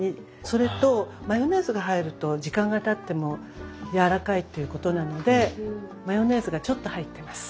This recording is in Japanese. それとマヨネーズが入ると時間がたってもやわらかいっていうことなのでマヨネーズがちょっと入ってます。